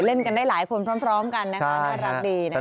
เล่นกันได้หลายคนพร้อมกันนะคะน่ารักดีนะคะ